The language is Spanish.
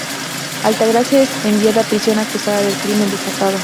Altagracia es enviada a prisión acusada del crimen desatado.